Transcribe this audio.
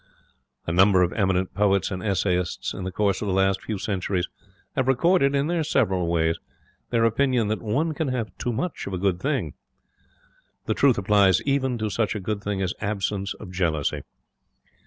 A number of eminent poets and essayists, in the course of the last few centuries, have recorded, in their several ways, their opinion that one can have too much of a good thing. The truth applies even to such a good thing as absence of jealousy.